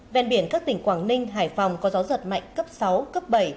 vèn biển các tỉnh quảng ninh hải phòng có gió giật mạnh cấp sáu bảy